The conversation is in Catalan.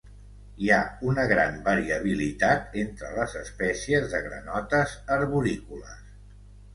Hi ha una gran variabilitat entre les espècies de granotes arborícoles.